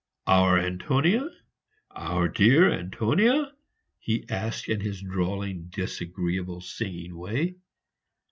"Our Antonia? our dear Antonia?" he asked in his drawling, disagreeable singing way.